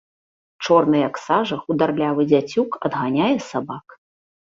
Чорны, як сажа, хударлявы дзяцюк адганяе сабак.